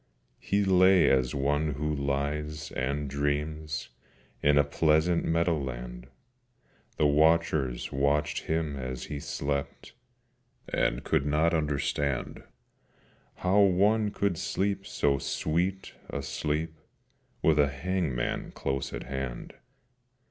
He lay as one who lies and dreams In a pleasant meadow land, The watchers watched him as he slept, And could not understand How one could sleep so sweet a sleep With a hangman close at hand.